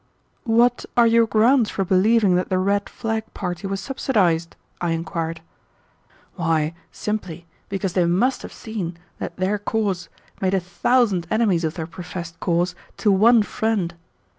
"What are your grounds for believing that the red flag party was subsidized?" I inquired. "Why simply because they must have seen that their course made a thousand enemies of their professed cause to one friend.